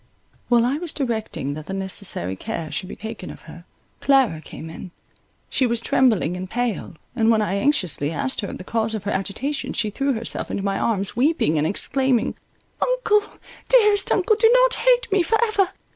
While I was directing that the necessary care should be taken of her, Clara came in; she was trembling and pale; and, when I anxiously asked her the cause of her agitation, she threw herself into my arms weeping and exclaiming—"Uncle, dearest uncle, do not hate me for ever!